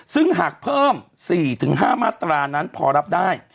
ซึ่งหากเพิ่ม๔๕มาตรานั้นพอรับได้